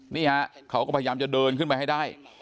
นี่ฮะเขาก็พยายามจะเดินขึ้นไปให้ได้